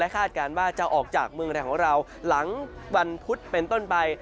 คาดการณ์ว่าจะออกจากเมืองไทยของเราหลังวันพุธเป็นต้นไป